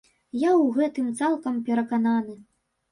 Я у гэтым цалкам перакананы.